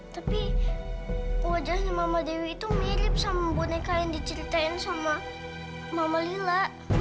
tapi wajahnya mama dewi itu mirip sama boneka yang diceritain sama mama lila